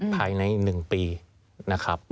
ภายใน๑ปีนะครับ